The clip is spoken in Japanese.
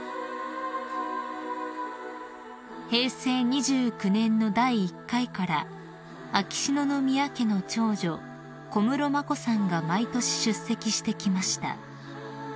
［平成２９年の第１回から秋篠宮家の長女小室眞子さんが毎年出席してきました］